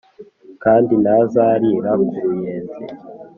kandi ntazarira ku ruyenzi ".